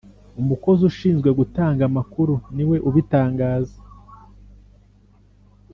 Umukozi ushinzwe gutanga amakuru ni we ubitangaza